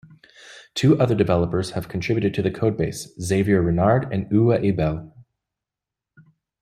Two other developers have contributed to the code base: Xavier Renard and Uwe Ebel.